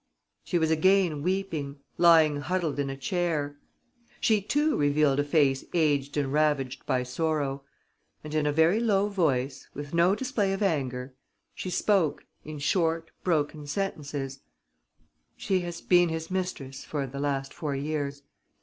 She was again weeping, lying huddled in a chair. She too revealed a face aged and ravaged by sorrow; and, in a very low voice, with no display of anger, she spoke, in short, broken sentences: "She has been his mistress for the last four years....